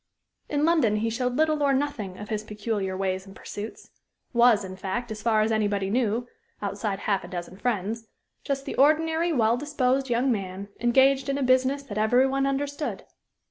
In London he showed little or nothing of his peculiar ways and pursuits; was, in fact, as far as anybody knew outside half a dozen friends just the ordinary, well disposed young man, engaged in a business that every one understood.